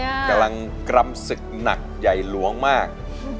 ลูกคุณแม่กำสึกหนักใหญ่หลวงมาก